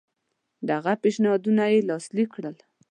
د هغه پېشنهادونه یې لاسلیک کړل.